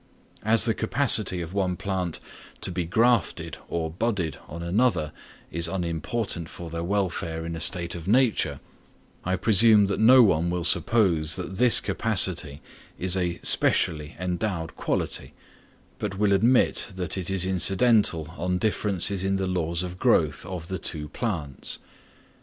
As the capacity of one plant to be grafted or budded on another is unimportant for their welfare in a state of nature, I presume that no one will suppose that this capacity is a specially endowed quality, but will admit that it is incidental on differences in the laws of growth of the two plants.